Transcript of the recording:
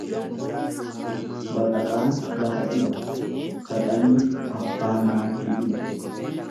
Baqaqaan lafa dhiba baqanni abbaa maatii dhiba.